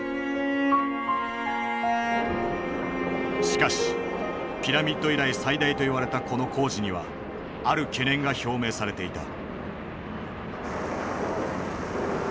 しかしピラミッド以来最大といわれたこの工事にはある懸念が表明されていた。